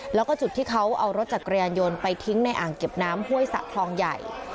แล้วก็จุดที่เขาเอารถจักรยานยนต์ไปทิ้งในอ่างเก็บน้ำห้วยสะคลองใหญ่